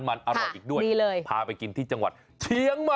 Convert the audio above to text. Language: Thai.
ขายทุกวันเลย